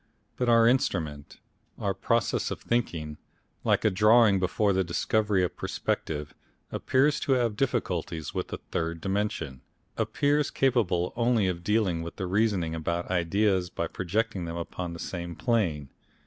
But our Instrument, our process of thinking, like a drawing before the discovery of perspective, appears to have difficulties with the third dimension, appears capable only of dealing with or reasoning about ideas by projecting them upon the same plane.